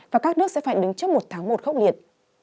và các nước sẽ phải đứng trước một tháng một khốc liệt